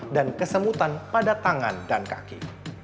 dan kesemutan pada tangan dan kaki